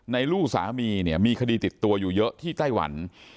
ลูกสามีเนี่ยมีคดีติดตัวอยู่เยอะที่ไต้หวัน